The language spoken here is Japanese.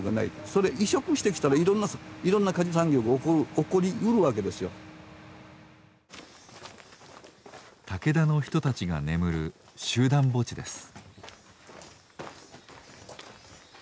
それ移植してきたらいろんな果樹産業が起こりうるわけですよ。嵩田の人たちが眠る集団墓地です。